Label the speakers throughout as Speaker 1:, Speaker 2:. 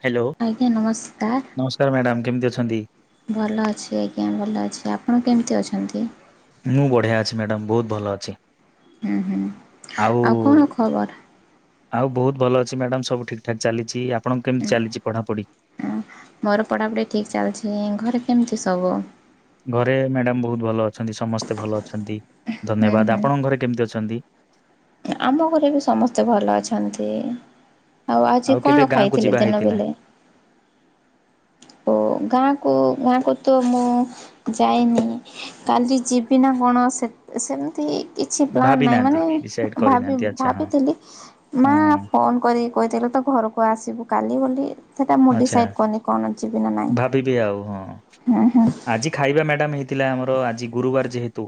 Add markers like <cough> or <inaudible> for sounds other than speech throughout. Speaker 1: Hello
Speaker 2: ଆଜ୍ଞା ନମସ୍କାର
Speaker 1: ନମସ୍କାର ମ୍ୟାଡ଼ାମ କେମିତି ଅଛ ଅଛନ୍ତି?
Speaker 2: ଭଲ ଅଛି ଆଜ୍ଞା ଭଲ ଅଛି ଆପଣ କେମିତି ଅଛନ୍ତି?
Speaker 1: ମୁଁ ବଢିଆ ଅଛି ମ୍ୟାଡାମ ବହୁତ ଭଲ ଅଛି।
Speaker 2: ହୁଁ ହୁଁ ଆଉ କଣ ଖବର?
Speaker 1: ଆଉ ବହୁତ ଭଲ ଅଛି, ମ୍ୟାଡ଼ାମ ସବୁ ଠିକ୍ ଠାକ୍ ଚାଲିଛି ଆପଣଙ୍କ କେମିତି ଚାଲିଛି ପଢ଼ାପଢ଼ି?
Speaker 2: ହଁ, ମୋର ପଢାପଢି ଠିକ ଚାଲିଛି, ଘରେ କେମିତି ସବୁ?
Speaker 1: ଘରେ ମ୍ୟାଡାମ ବହୁତ ଭଲ ଅଛନ୍ତି, ସମସ୍ତେ ଭଲ ଅଛନ୍ତି, ଧନ୍ୟବାଦ ଆପଣଙ୍କ ଘରେ କେମିତି ଅଛନ୍ତି?
Speaker 2: ଆମ ଘରେ ବି ସମସ୍ତେ ଭଲ ଅଛନ୍ତି। ଆଉ ଆଜି
Speaker 1: କେବେ
Speaker 2: କଣ
Speaker 1: ଗାଁକୁ
Speaker 2: ଖାଇଥିଲି
Speaker 1: ଯିବା
Speaker 2: ଦିନ
Speaker 1: ହେଇଥିଲା
Speaker 2: ବେଲେ? <inaudible> ଓ ଗାଁକୁ ଗାଁକୁ ତ ମୁଁ ଯାଇନି କାଲି ଯିବି ନା କଣ ସେ ସେମିତି କିଛି ପ୍ଲାନ୍
Speaker 1: ଭାବି
Speaker 2: ନାହିଁ
Speaker 1: ନାହାନ୍ତି
Speaker 2: ମାନେ
Speaker 1: ଡିସାଇଡ
Speaker 2: ଭାବି
Speaker 1: କରିନାହାନ୍ତି ଆଚ୍ଛା ହଁ
Speaker 2: ଭାବିଥିଲି ମା
Speaker 1: ହୁଁ
Speaker 2: ଫୋନ କରି କହିଦେରେ ତ ଘରକୁ ଆସିବୁ କାଲି ବୋଲି। ସେଟା ମୁଁ
Speaker 1: ଆଚ୍ଛା
Speaker 2: ଡିସାଇଡ କନି କ
Speaker 1: ଭାବିବି ଆଉ ହଁ
Speaker 2: ହୁଁ
Speaker 1: ଆଜି ଖାଇବା ମ୍ୟାମ ହେଇଥିଲା ଆମର ଆଜି ଗୁରୁବାର ଯେହେତୁ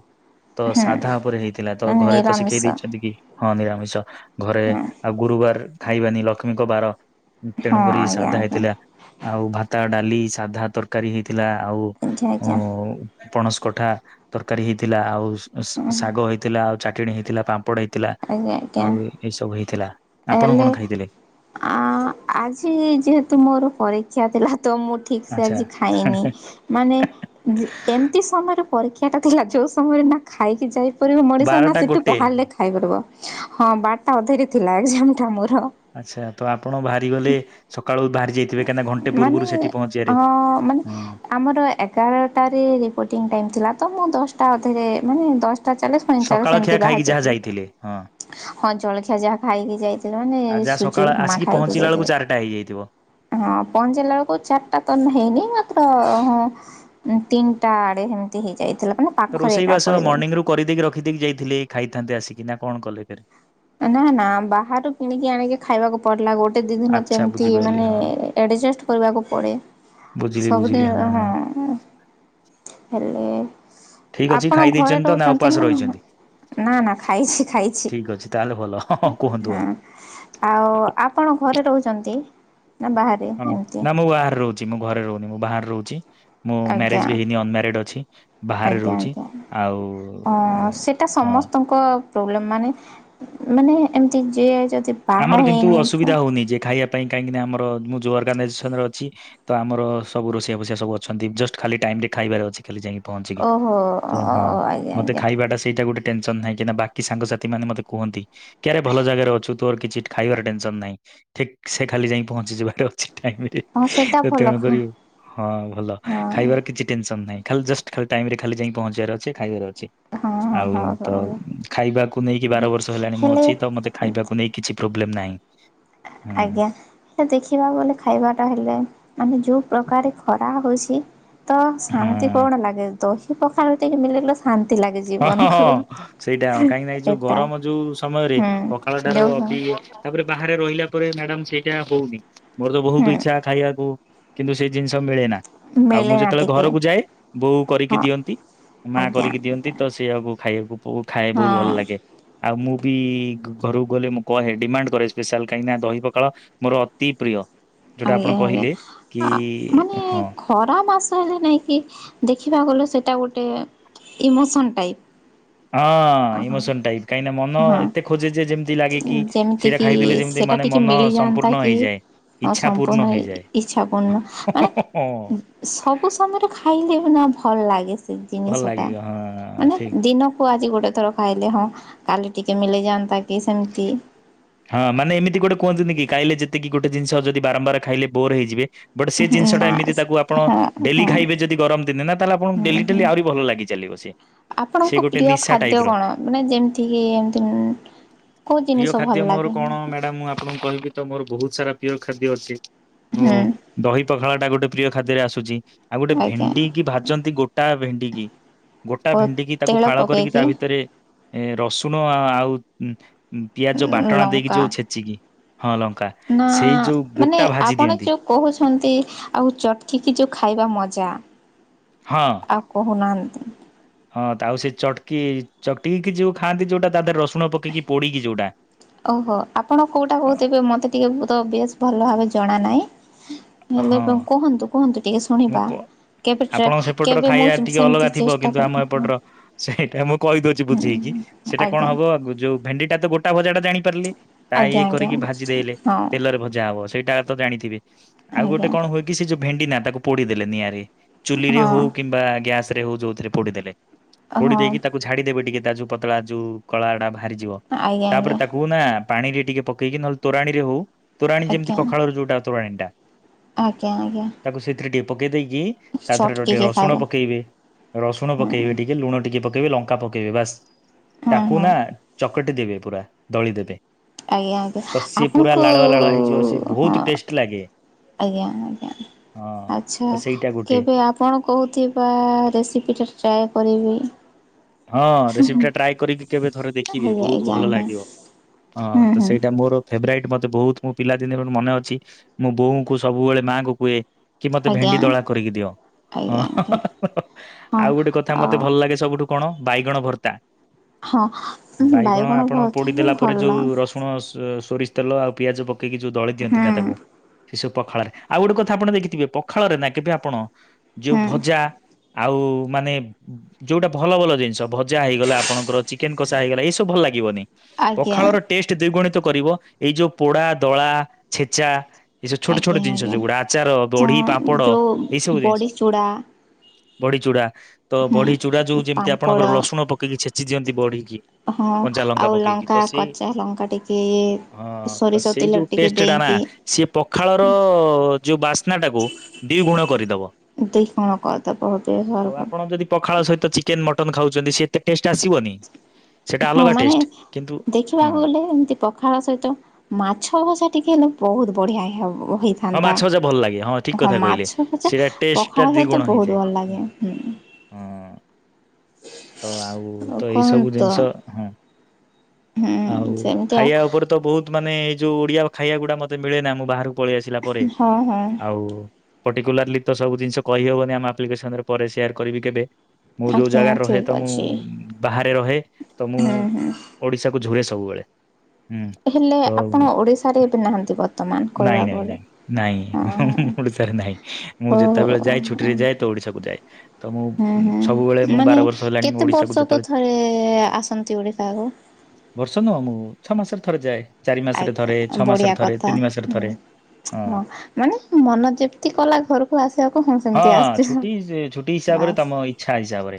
Speaker 1: ତ
Speaker 2: ହୁଁ
Speaker 1: ସାଧା ଉପରେ ହେଇଥିଲା ତ
Speaker 2: ହୁଁ
Speaker 1: ଘରେ ତ
Speaker 2: ନିରାମିଷ
Speaker 1: ଶିଖେଇ ଦେଇଛନ୍ତି କି ହଁ ନିରାମିଷ ଚ ଘରେ
Speaker 2: ହୁଁ
Speaker 1: ଆଉ ଗୁରୁବାର ଖାଇବାନି ଲକ୍ଷ୍ମୀଙ୍କ ବାର। ତେଣୁ
Speaker 2: ହଁ
Speaker 1: କରି <unintelligible>
Speaker 2: ଆଜ୍ଞା
Speaker 1: ସାଧା ହେଇଥିଲା
Speaker 2: ଆଜ୍ଞା
Speaker 1: ଆଉ ଭାତ ଡା ଖାଲି ସାଧା ତରକାରୀ ହେଇଥିଲା। ଆଉ
Speaker 2: ଆଜ୍ଞା
Speaker 1: ଓ
Speaker 2: ଆଜ୍ଞା
Speaker 1: ପଣସ କଠା ତରକାରୀ ହେଇଥିଲା ଆଉ ଶ ଶା ଶାଗ ହେଇଥିଲା ଆଉ ଚାଟେଣୀ ହେଇଥିଲା ପାମ୍ପ ଥିଲା
Speaker 2: ଆଜ୍ଞା ଆଜ୍ଞା
Speaker 1: ଆଉ ଏଇସବୁ ହେଇଥିଲା। ଆପଣ
Speaker 2: ହେଲେ
Speaker 1: କଣ ଖାଇଥିଲେ
Speaker 2: ଆ ଆଜି ଯେହେତୁ ମୋର ପରୀକ୍ଷା ଥିଲା ତ ମୁଁ ଠିକ୍ ସେ
Speaker 1: ଆଚ୍ଛା।
Speaker 2: ଆଜି ଖାଏନି ମାନେ ଯେ ଏମିତି ସମୟରେ ପରୀକ୍ଷାଟା ଥିଲା ଯେଉଁ ସମୟରେ ନା ଖାଇକି ଯାଇ ପାରିବ ମଣିଷ ନା
Speaker 1: ବାରଟା
Speaker 2: ସେଠୁ
Speaker 1: ଗୋଟେ
Speaker 2: ବାହାରିଲେ ଖାଇପାରିବ। ହଁ ବାରଟା ଅଧେରେ ଥିଲା। ଝାମଠାକୁର୍
Speaker 1: ଆଚ୍ଛା ତ ଆପଣ ବାହାରି ଗଲେ ସକାଳୁ ବାହାରି ଯାଇଥିବେ କାହିଁକିନା ଘଣ୍ଟେ
Speaker 2: ମାନେ
Speaker 1: ପୂର୍ବରୁ ସେଠି
Speaker 2: ହଁ
Speaker 1: ପହଞ୍ଚିବାରେ
Speaker 2: ମାନେ ଆମର ଏଗାରଟାରେ ରିପୋଟିଂ ଟାଇମ ଥିଲା ତ। ମୁଁ ଦଶଟା ଅଧେରେ ମାନେ ଟା ଚାଲିସ ପଇଁଚାଳିଶ
Speaker 1: ସକାଳ ଖିଆ
Speaker 2: ଏମିତି
Speaker 1: ଖାଇକି
Speaker 2: ବାହାରି
Speaker 1: ଯାହା
Speaker 2: ଯାଇଥିଲି
Speaker 1: ଯାଇଥିଲେ ହଁ
Speaker 2: ହଁ ଜଳଖିଆ ଯାହା ଖାଇକି ଯାଇଥିଲି ମାନେ
Speaker 1: ଆଉ ଯାହା
Speaker 2: ସୁଜି
Speaker 1: ସକାଳ
Speaker 2: ଉପମା
Speaker 1: ଆସିକି
Speaker 2: ଖାଇକି
Speaker 1: ପହଞ୍ଚିଲା ବେଳକୁ
Speaker 2: ଯାଇଥିଲେ।
Speaker 1: ଚାରିଟା ହେଇଯାଇଥିବ।
Speaker 2: ହଁ ପହଞ୍ଚିଲା ବେଳକୁ ଚାରିଟା ତ ହେଇନି ମାତ୍ର ହଁ ତିନଟା ଆଡେ ହେମତି
Speaker 1: ତ ରୋଷେଇ ବାସ ମର୍ଣ୍ଣିିଂ ରୁ କରିଦେଇକି ରଖି ଦେଇକି ଯାଇଥିଲି ଖାଇଥାନ୍ତେ। କିନା କଣ କଲେ ଫେରେ?
Speaker 2: ନା ନା ବାହାରୁ କିଣିକି ଆଣିକି ଖାଇବାକୁ ପଡିଲା। ଗୋଟେ ଦିଇ ଦିନ
Speaker 1: ଆଚ୍ଛା
Speaker 2: ଯେମିତି
Speaker 1: ବୁଝିପାରିଲି
Speaker 2: ମାନେ
Speaker 1: ହଁ
Speaker 2: ଏଡେଜେଷ୍ଟ କରିବାକୁ ପଡେ ସବୁଦିନ ହଁ। ଉଁ
Speaker 1: ଠିକ୍ ଅଛି
Speaker 2: ଆପଣ
Speaker 1: ଖାଇ
Speaker 2: ଘରେ
Speaker 1: ଦେଇଛନ୍ତି ତ
Speaker 2: ରହୁଚନ୍ତି
Speaker 1: ଉପାସ
Speaker 2: ନା
Speaker 1: ରହିଛନ୍ତି
Speaker 2: ନା ନା ଖାଇଛି ଖାଇଛି।
Speaker 1: ଠିକ୍ ଅଛି ତାହେଲେ ଭଲ ହଁ କୁହନ୍ତୁ
Speaker 2: ହଁ,
Speaker 1: ଆଉ।
Speaker 2: ଆଉ ଆପଣ? ଘରେ ରହୁଚନ୍ତି।
Speaker 1: ହଁ, ନା ମୁଁ ବାହାରେ ରହୁଚି। ମୁଁ ଘରେ ରହୁନି, ମୁଁ ବାହାରେ ରହୁ ଚି। ମୁଁ
Speaker 2: ଆଜ୍ଞା
Speaker 1: ମ୍ୟାରେଜ ବି ହେଇନି ଅନମ୍ୟାରେିଡ ଅଛି, ବାହାରେ
Speaker 2: ଆଜ୍ଞା
Speaker 1: ରହୁଚି
Speaker 2: ଆଜ୍ଞା
Speaker 1: ଆଉ
Speaker 2: ହଁ ସେଟା
Speaker 1: ହଁ।
Speaker 2: ସମସ୍ତଙ୍କ ପ୍ରୋବ୍ଲେମ୍ ମାନେ, ମାନେ ଏମିତି ଯଏ ଯ
Speaker 1: ଆମର କିନ୍ତୁ ଅସୁବିଧା ହଉନି ଯେ ଖାଇବା ପାଇଁ କାହିଁକିନା ଆମର ମୁଁ ଯ ଅର୍ଗାନାଇଜେସନରେ ଅଛି ତ ଆମର ସବୁ ରୋଷଆ ଫୋସିଆ ସବୁ ଅଛନ୍ତି, ଜଷ୍ଟ ଖାଲି ଟାଇମରେ ଖାଇବାରେ ଅଛି ଖାଲି ଯାଇକ। ପହଞ୍ଚିକି।
Speaker 2: ଓହୋ
Speaker 1: ତ ହଁ
Speaker 2: ଆଜ୍ଞା
Speaker 1: ମତେ
Speaker 2: ଆଜ୍ଞା
Speaker 1: ଖାଇବାଟା ସେଇଟା ଗୋଟେ ଟେନସନ୍ ନାହିଁ କିନ୍ତ୍ ବାକି ସାଙ୍ଗସାଥି ମାନେ ମତେ କୁହନ୍ତି କି ଆରେ ଭଲ ଜାଗାରେ ଅଛୁ। ତୋର କିଛି ଖାଇବାର ଟେନସନ ନାହିଁ। ଠିକ ସେ ଖାଲି ଯାଇ ପହଞ୍ଚିଯିବାର ଅଛି। ଟାଇମରେ
Speaker 2: ହଁ ସେଟା
Speaker 1: <inaudible>
Speaker 2: ଭଲ
Speaker 1: ତେଣୁ
Speaker 2: ଖା
Speaker 1: କରି ହଁ ଭଲ
Speaker 2: ହଁ
Speaker 1: ଖାଇବାର କିଛି ଟେନସନ ନାହିଁ। ଖାଲି ଜଷ୍ଟ ଖାଲି ଟାଇମରେ ଖାଲି ଯାଇ ପହଞ୍ଚିବାର ଅଛି ଖାଇବାର ଚି।
Speaker 2: ହଁ ହଁ
Speaker 1: ଆଉ
Speaker 2: ହଉ
Speaker 1: ତ
Speaker 2: ହଉ
Speaker 1: ଖାଇବାକୁ ନେଇକି ବାର ବର୍ଷ ହେଲାଣି ମୁଁ
Speaker 2: ହେଲେ
Speaker 1: ଅଛି ତ ମତେ ଖାଇବାକୁ ନେଇ ପ୍ରୋବଲେମ୍ ନାହିଁ। ହୁଁ
Speaker 2: ଆଜ୍ଞା, ସେ ଦେଖିବା ବଲେ ଖାଇବାଟା ହେଲେ ଆମେ ଯୋଉ ପ୍ରକାରେ ଖରା ହଉଚି। ତ ଶାନ୍ତି
Speaker 1: ହଁ
Speaker 2: କଣ ଲାଗେ? ଦହି ପଖାଳ ଟିକେ ମିଳିଲେ ଶାନ୍ତ।
Speaker 1: ହଁ, ହଁ, ସେଇଟା କାହିଁକି ନା ଏଇ ଯୋଉ
Speaker 2: ଏଟା
Speaker 1: ଗରମ ଯଉ ସମୟରେ ପଖାଳ
Speaker 2: ହୁଁ
Speaker 1: ଟାରୁ
Speaker 2: ଯୋଉ
Speaker 1: ଅପି
Speaker 2: ହୁଁ
Speaker 1: ତାପରେ ବାହାରେ ରହିଲା ପରେ ମ୍ୟାଡ଼ମ ସେଇଟା ହଉନି। ମୋର ତ ବୋହୁତ ଇଚ୍ଛା ଖାଇବାକୁ। କିନ୍ତୁ, ସେ ଜିନିଷ ମିଳେ ନା। ଆଉ ମୁଁ
Speaker 2: ମିଳେନା
Speaker 1: ଯେତେବେଳେ
Speaker 2: ଟିକେ
Speaker 1: ଘରକୁ ଯାଏ, ବୋଉ କରିକି
Speaker 2: ହଁ
Speaker 1: ଦିଅନ୍ତି ମା
Speaker 2: ଆଜ୍ଞା
Speaker 1: କରିକି ଦିଅନ୍ତି।
Speaker 2: ଆଜ୍ଞା।
Speaker 1: ତ ସେଇଆକୁ ଖାଇବାକୁ ବୋଉ ଖାଏ ବହୁତ ଭଲ
Speaker 2: ହଁ
Speaker 1: ଲାଗେ। ଆଉ ମୁଁ ବି ଘରକୁ ଗଲେ ମୁଁ କହେ ଡିମାଣ୍ଡ କରେ ସ୍ପେଶାଲ, କାହିଁକିନା ଦହି ପଖାଳ ମୋର ଅତି ପ୍ରିୟ। ଯୋଉଟା ଆପଣ
Speaker 2: ଆଜ୍ଞା, ଆଜ୍ଞା,
Speaker 1: କହିଲେ କି
Speaker 2: ଆଁ ମାନେ
Speaker 1: ହଁ
Speaker 2: ଖରା ମାସ ତ ହେଲେ ନେଇଁ କି ଦେଖିବାକୁ ଗଲେ ସେଟା ଗୋଟେ ଇମୋସନ ଟାଇପ।
Speaker 1: ହଁ, ଇମୋସନ ଟାଇପ କାହିଁକିନା ମନ
Speaker 2: ହଁ।
Speaker 1: ଏତେ ଖୋଜେ ଯେ ଯେମିତି ଲାଗେ କିି ସେଟା
Speaker 2: ଯେମିତିକି
Speaker 1: ଖାଇଦେଲେ ଯେମିତି ମାନେ ମନ ସମ୍ପୂର୍ଣ୍ଣ ହେଇଯାଏ।
Speaker 2: ହ,
Speaker 1: ଇଚ୍ଛା ପୂର୍ଣ୍ଣ
Speaker 2: ସମ୍ପୂର୍ଣ୍ଣ
Speaker 1: ହେଇଯାଏ।
Speaker 2: ଇଚ୍ଛାପୂର୍ଣ୍ଣ ମାନେ
Speaker 1: ହଁ
Speaker 2: ସବୁ ସମୟରେ ଖାଇ ସେ ନା ଭଲ ଲାଗେ। ସେ
Speaker 1: ଭଲ
Speaker 2: ଜିନିଷ ଟା।
Speaker 1: ଲାଗିବ ହଁ
Speaker 2: ମାନେ
Speaker 1: ସେଇ
Speaker 2: ଦିନକୁ ଆଜି ଗୋଟେ ଥର ଖାଇଲେ, ହଁ କାଲି ଟିକେ ମିଲିଯାଆନ୍ତା
Speaker 1: ହଁ ମାନେ ଏମିତି ଗୋଟେ କୁହନ୍ତିନି କି ଖାଇଲେ ଯେତିକି ଗୋଟେ ଜିନିଷ ଯଦି ବାରମ୍ବାର ଖାଇଲେ ବୋର ହେଇଯିବେ। ବଟ ସେଇ ଜିନିଷଟା
Speaker 2: ନା
Speaker 1: ଏମିତି ତାକୁ ଆପଣ
Speaker 2: ହଁ ହଁ
Speaker 1: ଡେଲି ଖାଇବେ
Speaker 2: ହୁଁ
Speaker 1: ଯଦି ଗରମ ଦିନେ ନା ତାହଲେ ଆପଣଙ୍କୁ ଡେଲି
Speaker 2: ହୁଁ।
Speaker 1: ଡେଲି ଆହୁରି ଭଲ ଲାଗି ଚାଲିବ ସେ।
Speaker 2: ଆପଣଙ୍କ
Speaker 1: ସେ ଗୋଟେ
Speaker 2: ପ୍ରିୟ
Speaker 1: ନିଶା
Speaker 2: ଖାଦ୍ୟ
Speaker 1: ଟାଇପ ର।
Speaker 2: କଣ ମାନେ ଯେମିତି କି ଏମତି କୋଉ ଜିନିଷ
Speaker 1: ପ୍ରିୟ
Speaker 2: ଭଲ
Speaker 1: ଖାଦ୍ୟ ମୋର
Speaker 2: ଲାଗେ
Speaker 1: କଣ ମ୍ୟାଡାମ ମୁଁ ଆପଣଙ୍କୁ କହିବି ତ ମୋର ବହୁତ ସାରା ପୁରା ପିଓର ଖାଦ୍ୟ ଅଛି।
Speaker 2: ହୁଁ
Speaker 1: ଓ ଦହି ପଖାଳ ଟା ଗୋଟେ ପ୍ରିୟ ଖାଦ୍ୟରେ ଆସୁ ଛିି ଆଉ ଗୋଟେ
Speaker 2: ଆଜ୍ଞା
Speaker 1: ଭେଣ୍ଡି କି ଭାଜନ୍ତି ଗୋଟା ଭେଣ ଣ୍ଡି କି ଗୋଟା
Speaker 2: ଓ
Speaker 1: ଭେଣ୍ଡିିକି ତାକୁ
Speaker 2: ତେଳ
Speaker 1: ଫାଳ କରିକି ତା
Speaker 2: ପକେଇକି
Speaker 1: ଭିତରେ ଏ ରସୁଣ ଆ-ଆଉ ଉଁ ଉଁ ପିଆଜ ବାଟଣା ଦେଇକି
Speaker 2: ଲଙ୍କା
Speaker 1: ଯୋଉ ଛେଚିକି। ହଁ ଲଙ୍କା
Speaker 2: ନା
Speaker 1: ସେଇ ଯୋଉ
Speaker 2: ମାନେ
Speaker 1: ଗୋଟା ଭାଜି
Speaker 2: ଆପଣ
Speaker 1: ଦିଅନ୍ତି
Speaker 2: ଯୋଉ କହୁଛନ୍ତି ଆକୁ ଚଟକିକି ଯୋଉ ଖାଇବା ମ ଜା
Speaker 1: ହଁ
Speaker 2: ଆଉ କହୁନ ନ
Speaker 1: ହଁ ତ ଆଉ ସେ ଚଡକି ଚକଟି କିି ଯୋଉ ଖାଆନ୍ତି ଯୋଉଟା ତା ଦେହରେ ରସୁଣ ପକେଇକି ପୋଡ଼ିକି ଯୋଉଟା।
Speaker 2: ଓହୋ ଆପଣ କୋଉଟା କହୁଥିବେ ମତେ ଟିକେ ତ ବେଶ ଭଲ ଭାବେ ଜଣା ନାଇଁ। ହେଲେ
Speaker 1: ହଁ
Speaker 2: ପ କୁହନ୍ତୁ କୁହନ୍ତୁ ଟିକେ
Speaker 1: ମୁଁ
Speaker 2: ଶୁଣିବା
Speaker 1: କ
Speaker 2: କେବେ ଟ୍ରା
Speaker 1: ଆପଣଙ୍କ ସେପଟର
Speaker 2: କେବେ ମୁଁ
Speaker 1: ଖାଇବା ଟିକେ ଅଲଗା
Speaker 2: ସେମିତି
Speaker 1: ଥିବ
Speaker 2: ଚେଷ୍ଟା
Speaker 1: କିନ୍ତୁ ଆମ
Speaker 2: କରିବା ହଁ।
Speaker 1: ଏପଟର ସେଇଟା ମୁଁ କହିଦଉଛି ବୁଝେଇକି। ସେଇଟା କଣ ହବ ଯୋଉ ଭେଣ୍ଡିଟା ତ ଗୋ ଟା ଭଜା ଟା ଜାଣିପାରିଲେ। ତା
Speaker 2: ଆଜ୍ଞା
Speaker 1: ଇଏ
Speaker 2: ଆଜ୍ଞା
Speaker 1: କରିକି
Speaker 2: ବୁଝୁଛି
Speaker 1: ଭାଜିଦେଲେ
Speaker 2: ହଁ
Speaker 1: ତେଲରେ ଭଜା ହବ ସେଇଟା ତ ଜାଣିଥିବେ। ଆଉ ଗୋଟେ
Speaker 2: ଆଜ୍ଞା
Speaker 1: କଣ ହୁଏ କି ସେ ଯୋଉ ଭେଣ୍ଡି ନା ତାକୁ ପୋଡ଼ି ଦେଲେ ନିଆଁରେ। ଚୁଲି ରେ ହଉ
Speaker 2: ହଁ
Speaker 1: କିମ୍ବା ଗ୍ୟାସ ରେ ହଉ ଯୋଉଥିରେ ପୋଡ଼ିଦେଲେ। ପୋଡି ଦେଇକି
Speaker 2: ହଁ
Speaker 1: ତାକୁ ଝାଡିଦେବେ ଟିକେ ତା ଯୋଉ ପତଳା ଯୋଉ କଳା ଗୁଡା ବା ହାରିଯିବ
Speaker 2: ଆଜ୍ଞା
Speaker 1: ତାପରେ
Speaker 2: ଆଜ୍ଞା
Speaker 1: ତାକୁ ନା ପାଣିରେ ଟିକେ ପକେଇକି ନହେଲେ ତୋରାଣୀରେ ହଉ ତୋରାଣୀ ଯେମିତି
Speaker 2: ଆଜ୍ଞା
Speaker 1: ପଖାଳ ର ଯୋଉଟା ତୋରାଣି ଟା
Speaker 2: ଆଜ୍ଞା ଆଜ୍ଞା।
Speaker 1: ପକେଇଦେଇ ପକେଇକି ତା ଧରେ ଟିକେ
Speaker 2: ଚଟକିକି
Speaker 1: ରସୁଣ
Speaker 2: ଖାଇଲେ
Speaker 1: ପକେଇବେ ରସୁଣ
Speaker 2: ହୁଁ
Speaker 1: ପକେଇବେ ଟିକେ ଲୁଣ ଟିକେ ପକ ତେବେ ଲଙ୍କା ପକେଇବେ ବାସ
Speaker 2: ହୁଁ
Speaker 1: ତାକୁ
Speaker 2: ହୁଁ
Speaker 1: ନା ଚକ୍ ଚକଟି ଦେବେ ପୁରା ଦଳିଦେବେ
Speaker 2: ଆଜ୍ଞା ଆଜ୍ଞା ଆପଣଙ୍କୁ
Speaker 1: ଲାଳୁଆ ହେଇଯିବ ସେ
Speaker 2: ହଁ
Speaker 1: ବହୁତ ଟେଷ୍ଟ ଲାଗେ ହଁ ତ ସେଇଟା ଗୋଟେ
Speaker 2: <inaudible> ଟ୍ରାଏ କରିବି।
Speaker 1: ହଁ ରେସିପି ଟା ଟ୍ରାଏ କରିକି- କେବେ ଥରେ ଦେଖିବେ
Speaker 2: ଆଜ୍ଞା
Speaker 1: ବହୁତ
Speaker 2: ଆଜ୍ଞା
Speaker 1: ଭଲ
Speaker 2: ଆଜ୍ଞା
Speaker 1: ଲାଗିବ ହଁ
Speaker 2: ହୁଁ
Speaker 1: ତ
Speaker 2: ହୁଁ
Speaker 1: ସେଇଟା ମୋର ଫେବେରାଇଟି। ମତେ ବହୁତ ମୋ ପିଲାଦିନେ ମନେ ଅଛି ମୋ ବୋଉ କଙ୍କୁ ସବୁବେଳେ ମାଙ୍କୁ କୁହେ- କି ମତେ
Speaker 2: ଆଜ୍ଞା
Speaker 1: ଭେଣ୍ଡି ଦଳା କରିକି ଦିଅ ହଁ
Speaker 2: ଆଜ୍ଞା ଆଜ୍ଞା
Speaker 1: <inaudible> ଆଉ
Speaker 2: ହଁ
Speaker 1: ଗୋଟେ କଥା ମତେ
Speaker 2: ଆଉ
Speaker 1: ଭଲ ଲାଗେ ସବୁଠୁ- କଣ ବାଇଗଣ ଭର୍ତ୍ତା-
Speaker 2: ହଁ
Speaker 1: ବାଇଗଣ ଆପଣ ପୋଡି
Speaker 2: ଭର୍ତ୍ତା ବି
Speaker 1: ଦେଲା ପରେ ଯୋଉ
Speaker 2: ଭଲ
Speaker 1: ରସୁଣ ସୋରିଷ- ତେଲ ଆଉ ପିଆଜ ପ- ଯୋଉଁ ଦଳି ଦିଅନ୍ତି ନାଁ
Speaker 2: ହୁଁ
Speaker 1: ତାକୁ- କି ସବୁ ପଖାଳରେ ଆଉ ଗୋଟେ କଥା ଆପଣ ଦେଖିଥିବେ ପଖାଳରେ ନା କେବେ ଆପଣ- ଯୋଉ
Speaker 2: ହୁଁ
Speaker 1: ଭଜା- ଆଉ ମାନେ ଯୋଉଟା- ଭଲ ଭଲ ଜିନିଷ ଭ - <inaudible> ଚିକେନ୍ କସା ହେଇଗଲା ଏଇ ସବୁ ଭଲ ଲାଗିବନି
Speaker 2: ଆଜ୍ଞା
Speaker 1: ପଖାଳ ର ଟେଷ୍ଟ <inaudible> କରିବ ଏଇ ଯୋଉଁ ପୋଡା ଦଳା ଛେଚା- ଏଇସବୁ ଛୋଟ ଛୋଟ
Speaker 2: ଆଜ୍ଞା
Speaker 1: ଜିନିଷ
Speaker 2: ଆଜ୍ଞା
Speaker 1: ଯୋଉଗୁଡା ଆଚାର ବଢି
Speaker 2: ହଁ
Speaker 1: ପାମ୍ପଡ
Speaker 2: ଯୋଉ
Speaker 1: ଏଇ ସବୁ
Speaker 2: ବଡ଼ି
Speaker 1: ଜିନିଷ-
Speaker 2: ଚୁଡ଼ା
Speaker 1: ବଢି ଚୁଡ଼ା ତ ବଢି ଚୂଡା ଯୋଉ
Speaker 2: ହୁଁ
Speaker 1: ଯେମିତି
Speaker 2: ପାମ୍ପଡ଼
Speaker 1: ଆପଣଙ୍କର ରସୁଣ ପକେଇକି ଛେଚି ଦିଅନ୍ତି ବଡି କି
Speaker 2: ହଁ
Speaker 1: କଞ୍ଚା ଲଙ୍କା
Speaker 2: ଆଉ
Speaker 1: ପକେଇକି, ତ ସେ,
Speaker 2: କଞ୍ଚା ଲଙ୍କା ଟିକେ
Speaker 1: ହଁ ତ
Speaker 2: ସୋରିଷ
Speaker 1: ସେଇ
Speaker 2: ତେଲ
Speaker 1: ଯଉ
Speaker 2: ଟିକେ
Speaker 1: ଟେଷ୍ଟ ଟେ ନା,
Speaker 2: ଦେଇକି
Speaker 1: ସେଏ ପଖାଳ ର ଯୋ ବାସ୍ନା ଟାକୁ ଗୁଣ କରିଦବ
Speaker 2: ଦିଗୁଣା କରିଦେବ <inaudible>
Speaker 1: ଚିକେନ୍ ମଟନ୍ ଖାଉଛନ୍ତି ସେ ଏତେ ଟେଷ୍ଟ ଆସିବନି ସେଟା
Speaker 2: ହଁ
Speaker 1: ଅଲଗା
Speaker 2: ମାନେ
Speaker 1: ଟେଷ୍ଟ କିନ୍ତୁ ହଁ
Speaker 2: ଦେଖିବାକୁ ଗଲେ ଏମତି ପଖାଳ ସହିତ ମାଛ ଭଜା ଟିକେ ହେଲେ ବହୁତ ବଢିଆ ହିଁ ହବ।
Speaker 1: ହଁ ମାଛ ଭଜା ଭଲ ଲାଗେ, ହଁ ଠିକ କଥା କହିଲେ
Speaker 2: ଭଜା
Speaker 1: ସେଟା ଟେଷ୍ଟ
Speaker 2: ପଖାଳ
Speaker 1: ଟା
Speaker 2: ସହିତ
Speaker 1: ଦିଗୁଣ
Speaker 2: ବହୁତ
Speaker 1: ହେଇଯାଏ
Speaker 2: ଭଲ ଲାଗେ ହୁଁ
Speaker 1: <inaudible> ହଁ ତ ଆଉ ତ ଏଇ ସବୁ
Speaker 2: କୁହନ୍ତୁ
Speaker 1: ଜିନିଷ ହଁ
Speaker 2: ହୁଁ
Speaker 1: ଆଉ
Speaker 2: ସେମିତି ଆଉ
Speaker 1: ଖାଇବା ଉପରେ ତ ବହୁତ ମାନେ ଯେଉଁଡ଼ିଆ ଖାଇବା ଗୁଡ଼ା ମୋତେ ମିଳେ ନାହିଁ ବାହାରକୁ ପଳେଇ ଆସିଲା ପରେ
Speaker 2: ହଁ ହଁ
Speaker 1: ଆଉ ପର୍ଟିକୁଲାରଲି ତ ସବୁ ଜିନିଷ କହିହବନି, ଆମ ଆପ୍ଲିକେସନରେ ପରେ ସେୟାର କରିବି କେବେ ମୁଁ ଯୋଉ
Speaker 2: ଆଜ୍ଞା
Speaker 1: ଜାଗାରେ ରହେ ତ
Speaker 2: ଠିକ
Speaker 1: ମୁଁ
Speaker 2: ଅଛି ପଛି।
Speaker 1: ବାହାରେ ରହେ ତ ମୁଁ ଓଡିଶା କୁ ଝୁରେ ସବୁବେଳେ ହୁଁ
Speaker 2: ହେଲେ
Speaker 1: ତ
Speaker 2: ଆପଣ ଓଡ଼ିଶାରେ ଏବେ ନାହାନ୍ତି ବର୍ତ୍ତମାନ
Speaker 1: <inaudible> ନାଇଁ
Speaker 2: କହିବାକୁ ଗଲେ।
Speaker 1: ନାଇଁ ନାଇଁ
Speaker 2: ହଁ
Speaker 1: ନାଇଁ
Speaker 2: ହଁ
Speaker 1: ଓଡିଶାରେ ନାହିଁ ମୁଁ
Speaker 2: ଓହୋ
Speaker 1: ଯେତେବେଳେ
Speaker 2: ହଁ
Speaker 1: ଯାଏ ଛୁଟିରେ ଯାଏ
Speaker 2: ହୁଁ
Speaker 1: ତ ଓଡିଶାକୁ ଯାଏ ତ ମୁଁ ସବୁବେଳେ
Speaker 2: ହୁଁ
Speaker 1: ମୁଁ
Speaker 2: ମାନେ
Speaker 1: ବାର ବର୍ଷ ହେଲାଣି ମୁଁ
Speaker 2: କେତେ
Speaker 1: ଓଡିଶାକୁ
Speaker 2: ବର୍ଷକୁ
Speaker 1: ଯେତେବେଳେ
Speaker 2: ଥରେ ଆସନ୍ତି ଓଡିଶାକୁ? <inaudible>
Speaker 1: ବର୍ଷ ନୁହଁ ମୁଁ ଛଅ ମାସରେ ଥରେ ଯାଏ। ଚାରି ମାସରେ ଥରେ
Speaker 2: ଆଜ୍ଞା
Speaker 1: ଛଅ
Speaker 2: ବଢିଆ
Speaker 1: ମାସରେ ଥରେ
Speaker 2: କଥା
Speaker 1: ତିନି ମାସରେ
Speaker 2: <inaudible> ହଁ
Speaker 1: ଥରେ
Speaker 2: ହଁ ମାନେ ମନ ଯେମତି କଲା ଘରକୁ ଆସିବାକୁ ହଁ ସେମତି ଆସଛ
Speaker 1: ଛୁଟି ସେ ଛୁଟି
Speaker 2: <inaudible>
Speaker 1: ହିସାବରେ
Speaker 2: ବାସ୍।
Speaker 1: ତମ ଇଚ୍ଛା ହିସାବରେ।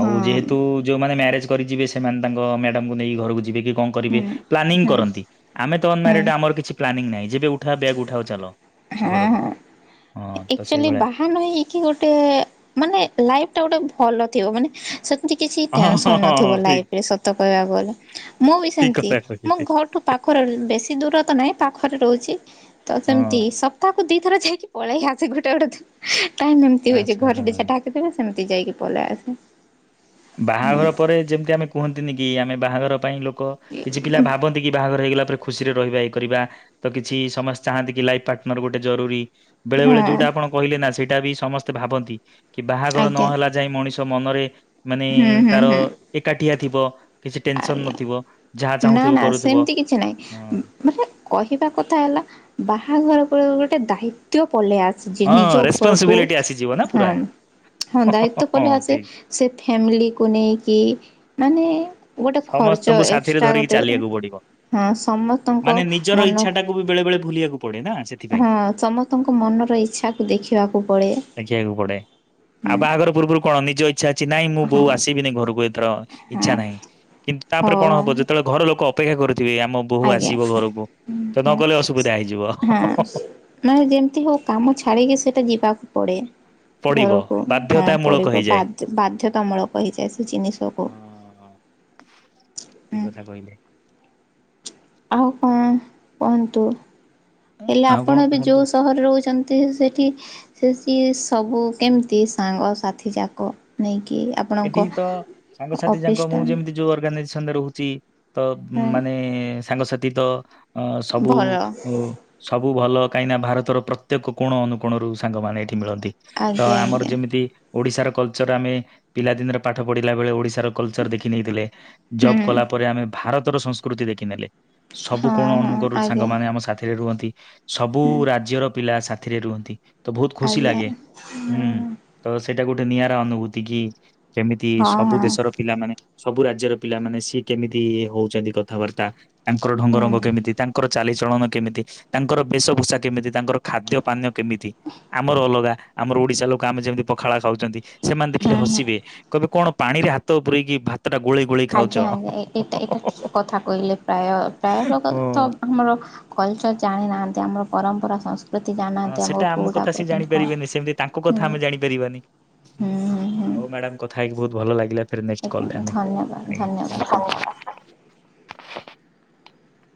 Speaker 2: ହଁ
Speaker 1: ଯେହେତୁ ଯୋଉମାନେ ମ୍ୟାରେଜ କରିଯିବେ ସେ ମାନେ ତାଙ୍କ ମ୍ୟାଡାମକୁ ନେଇ ଘରକୁ ଯିବେ କି। କଣ କରିବେ
Speaker 2: ହୁଁ
Speaker 1: ପ୍ଲାନିଂ
Speaker 2: ହୁଁ
Speaker 1: କରନ୍ତି, ଆମେ ତଲ
Speaker 2: ହୁଁ
Speaker 1: ଅନମ୍ୟାରେଡ ଆମର କିଛି ପ୍ଲାନିଂ ନାଇଁ। ଯେବେ ଉଠା ବ୍ୟାଗ୍ ଉଠାଅ ଚାଲ।
Speaker 2: ହଁ
Speaker 1: ଘରକୁ।
Speaker 2: ହଁ
Speaker 1: ହଁ ତ
Speaker 2: ଆକ୍ଚୁଆଲି
Speaker 1: ସେଇଭଳିଆ
Speaker 2: ବାହା ନ ହେଇକି ଗୋଟେ ମାନେ ଲାଇଫଟା ଗୋଟେ ଭଲ ଥିବ ମାନେ ସେ ଏମତି କିଛି
Speaker 1: ହଁ ହଁ
Speaker 2: ଟେନସନ୍
Speaker 1: ହଁ
Speaker 2: ନଥିବ
Speaker 1: ହଁ ଠିକ
Speaker 2: ଲାଇଫରେ ସତ କହିବାକୁ ଗଲେ ମୁଁ ବି
Speaker 1: ଠିକ
Speaker 2: ସେମିତି
Speaker 1: କଥା
Speaker 2: ମୋ
Speaker 1: କହିଲେ।
Speaker 2: ଘରଠୁ ପାଖରେ ବେଶି ଦୂର ତ ନାହିଁ। ପାଖରେ ରହୁଛି। ତ ସେମ
Speaker 1: ହଁ
Speaker 2: ସପ୍ତାହକୁ ଦି ଥର ଯାଇକି ପଳେଇକି ଆସେ ଗୋଟେ ଗୋଟେ ଦ ଟାଇମ ଏମତି ହୋଏ ଯେ
Speaker 1: ଆଚ୍ଛା
Speaker 2: ଘରେ
Speaker 1: ହଁ।
Speaker 2: ଦିଶା ଡାକୁଥିବେ ସେମତି ଯାଇକି ପଳେଇ ଆସେ।
Speaker 1: ବାହାଘର ପରେ ଯେମତି ଆମେ କୁହନ୍ତିନି କି ଆମେ ବାହାଘର ପାଇଁ ଲ କ କିଛି ପିଲା ଭାବନ୍ତି କି ବାହାଘର ହେଇଗଲା ପରେ ଖୁସିରେ ରହିବା ଇ କରିବା ତ କିଛି ସମସ୍ତେ ଚାହାନ୍ତି କି ଲାଇଫ ପାର୍ଟନର ଗୋଟେ ଜରୁରୀ ବେଳେ ବଳେ ଯୋଉଟା
Speaker 2: ହଁ
Speaker 1: ଆପଣ କହିଲେ ନା ସେ ଏଟା ବି ସମସ୍ତେ ଭାବନ୍ତି। କି ବାହାଘର ନ
Speaker 2: ଆଜ୍ଞା
Speaker 1: ହେଲା ଯାଏ ମଣିଷ ତ ମନରେ ମାନେ ତାର ଏକା ଠିଆ ଥିବ। କିଛି ଟେନସନ
Speaker 2: ଆଜ୍ଞ,
Speaker 1: ନଥିବ ଯାହା
Speaker 2: ନା
Speaker 1: ଚାହୁଁଥିବ
Speaker 2: ନା
Speaker 1: କରୁଥିବ
Speaker 2: ସେମତି କିଛି ନାହିଁ।
Speaker 1: ହଁ
Speaker 2: ମାନେ କହିବା କଥା ହେଲା ବାହାଘର ଗୋଟେ ଗୋଟେ ଦାୟିତ୍ଵ। ପଲେଇ ଆସୁଚି। ନିଜ
Speaker 1: ହଁ
Speaker 2: ଉପରକୁ
Speaker 1: ରେସପନସିବିଲିଟି ଆସିଯିବ ନା
Speaker 2: ହଁ,
Speaker 1: ପୁରା।
Speaker 2: ହଁ, ଦାୟିତ୍ଵ ପଲେେଇ ଆସେ। ସେ ଫ୍ୟାମିଲିକୁ ନେଇକି ମାନେ ଗୋଟେ ଖର୍ଚ୍ଚ
Speaker 1: ସମସ୍ତଙ୍କୁ ସାଥିରେ
Speaker 2: ଏକ୍ସଟ୍ରା
Speaker 1: ଧରିକି
Speaker 2: ଗୋଟେ
Speaker 1: ଚାଲିବାକୁ ପଡିବ।
Speaker 2: ହଁ ସମସ୍ତଙ୍କ
Speaker 1: ମାନେ ନିଜର
Speaker 2: ମନ
Speaker 1: ଇଚ୍ଛା ଟାକୁ ବି ବେଳେ ବେଳେ ଭୁଲିବାକୁ ପଡେ ନା ସେଥିପାଇଁ
Speaker 2: ହଁ ସମସ୍ତଙ୍କୁ ମନର ଇଚ୍ଛାକୁ ଦେଖିବାକୁ ପଡେ।
Speaker 1: ଦେଖିବାକୁ ପଡେ।
Speaker 2: ହୁଁ
Speaker 1: ଆଉ ବାହାଘର ପୂର୍ବରୁ କଣ ନିଜ ଇଚ୍ଛା ଅଛି, ନାହିଁ ମୁଁ
Speaker 2: ହଁ
Speaker 1: ବୋଉ ଆସିବିନି ଘରକୁ ଏଥର
Speaker 2: ହଁ
Speaker 1: ଇଚ୍ଛା ନାହିଁ। କିନ୍ତୁ ତାପରେ କଣ
Speaker 2: ହଉ
Speaker 1: ହବ ଯେତେବେଳେ ଘର ଲୋକ ଅପେକ୍ଷା କରି।
Speaker 2: ଆଜ୍ଞା,
Speaker 1: ନ
Speaker 2: ହଁ,
Speaker 1: ଗଲେ ଅସୁବିଧା ହେଇଯିବ
Speaker 2: ହଁ ମାନେ ଯେମିତି ହଉ କାମ ଛାଡିକି ସ ମତେ ଯିବାକୁ ପଡ଼େ।
Speaker 1: ପଡିବ
Speaker 2: ଘରକୁ ହଁ
Speaker 1: ବାଧ୍ୟତା ମୂଳକ
Speaker 2: ପଡିବ
Speaker 1: ହେଇଯାଏ।
Speaker 2: ବାଧ୍ ବାଧ୍ୟତାମୂଳକ ହେଇଯାଏ ସେ ଜିନିଷକୁ।
Speaker 1: ହଁ। ଠିକ
Speaker 2: ହୁଁ।
Speaker 1: କଥା କହିଲେ
Speaker 2: ଆଉ କଣ କୁହନ୍ତୁ? ହେଲେ
Speaker 1: ଆଉ କଣ
Speaker 2: ଆପଣ ଏବେ
Speaker 1: କୁହନ୍ତୁ?
Speaker 2: ଯୋଉ ସହରରେ ରହୁଚନ୍ତି ସେଠି ଏ ସବୁ କେମିତି ସାଙ୍ଗସାଥି ଯାକ ନେଇକି ଆପଣଙ୍କ
Speaker 1: ଏଠି ତ ସାଙ୍ଗସାଥି ଯାକ
Speaker 2: ଅଫିସ୍ ଟା
Speaker 1: ମୁଁ ଯେମିତି ଯୋଉ ଅର୍ଗାନାଇ ଆଙ୍ଗେ ରହୁଚି। ତ
Speaker 2: ହଁ
Speaker 1: ମାନେ ସାଙ୍ଗସାଥି ତ ଅ ସବୁ
Speaker 2: ଭଲ
Speaker 1: ସବୁ ଭଲ। କାହିଁକିନା ଭାରତର ପ୍ରତ୍ୟେକ କୋଣ ଅନୁକୋଣରୁ ସାଙ୍ଗମାନେ ଏଠି ମିଳନ୍ତି, ତ
Speaker 2: ଆଜ୍ଞା
Speaker 1: ଆମର
Speaker 2: ଆଜ୍ଞା।
Speaker 1: ଯେମିତି ଓଡ଼ିଶାର କଲଚର ଆମେ ପିଲାଦିନରେ ପାଠ ପଢିଲା ବେଳେ ଓଡ଼ିଶ ତାର କଲଚର ଦେଖି ନେଇଥିଲେ। ଜବ
Speaker 2: ହୁଁ
Speaker 1: କଲା ପରେ ଆମେ ଭାରତର ସଂସ୍କୃତି ଦେଖିନେଲେ। ସବୁ
Speaker 2: ହଁ
Speaker 1: କୋଣ
Speaker 2: ହଁ
Speaker 1: ଅନୁକୋଣରୁ
Speaker 2: ଆଜ୍ଞା
Speaker 1: ସାଙ୍ଗମାନେ ଆମ ସାଥିରେ ରୁହନ୍ତି। ସବୁ ରାଜ୍ୟର ପିଲା ସାଥ ଥିରେ ରୁହନ୍ତି। ତ ବହୁତ ଖୁସି
Speaker 2: ଆଜ୍ଞା
Speaker 1: ଲାଗେ। ହୁଁ ତ ସେଇଟା ଗୁଠେ ନିଆରା ଅନୁଭୂତି କି? କେମିତି
Speaker 2: ହଁ
Speaker 1: ସବୁ
Speaker 2: ହଁ
Speaker 1: ଦେଶର ପିଲାମାନେ ସବୁ ରାଜ୍ୟର ପିଲାମାନେ ସିଏ କେମିତି ଇଏ ହଉଚନ୍ତି କଥାବାର୍ତ୍ତା। ତାଙ୍କର ଢଙ୍ଗ
Speaker 2: ହୁଁ
Speaker 1: ରଙ୍ଗ କେମିତି ତାଙ୍କର ଚାଲିଚଳନ କେମିତି, ତାଙ୍କର ବେଶଭୂଷା କେମିତି, ତାଙ୍କର ଖାଦ୍ୟ ପାନୀୟ କେମିତି, ଆମର ଅଲଗା ଆମର ଓଡିଶା ଲୋକ ଆମେ ଯେମିତି ପଖାଳ ଖାଉଚନ୍ତି ସେମାନେ ଦେଖିଲେ
Speaker 2: ହୁଁ ହୁଁ।
Speaker 1: ହସିବେ। ବେ କଣ ପାଣିରେ ହାତ ପୁରେଇକି ଭା
Speaker 2: ଆଜ୍ଞା ଆଜ୍ଞା ଏ-ଏଇଟା ଏଟା ଠିକ କଥା କହିଲେ ପ୍ରାୟ ପାୟ
Speaker 1: ହଁ
Speaker 2: ପ-କଥ-ହାମର କଲଚର୍ ଜାଣିନାହାନ୍ତି, ଆମର ପରମ୍ପରା ସଂସ୍କୃ
Speaker 1: ହଁ ସେଟା ଆମ କଥା ସିଏ ଜାଣିପାରିବେନି, ସେମତି ତାଙ୍କ
Speaker 2: ହୁଁ
Speaker 1: କଥା ଆମେ ଜାଣିପାରିବାନି,
Speaker 2: ହୁଁ ହୁଁ ହୁଁ
Speaker 1: ହଉ ମ୍ୟାଡାମ୍ କଥା ହେଇକି ବୋହୁତ ଭଲ ଲାଗିଲା। ଫେରେ ନେକ୍ଷ୍ଟ କଲ୍ ରେ
Speaker 2: ଆଜ୍ଞା
Speaker 1: ଆମେ
Speaker 2: ଧନ୍ୟବାଦ ଧନ୍ୟବାଦ ସାର୍।
Speaker 1: ଆଜ୍ଞା <inaudible>